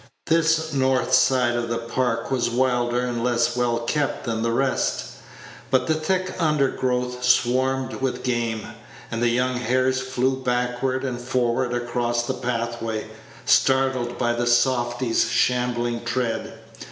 This north side of the Park was wilder and less well kept than the rest; but the thick undergrowth swarmed with game, and the young hares flew backward and forward across the pathway, startled by the softy's shambling tread.